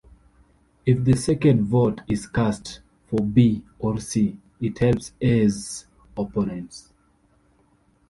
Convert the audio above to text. If the second vote is cast for B or C, it helps A's opponents.